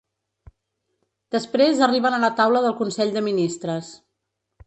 Després arriben a la taula del consell de ministres.